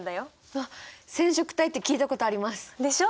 あっ染色体って聞いたことあります！でしょ。